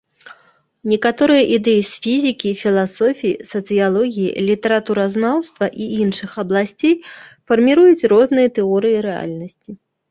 Некаторыя ідэі з фізікі, філасофіі, сацыялогіі, літаратуразнаўства, і іншых абласцей фарміруюць розныя тэорыі рэальнасці.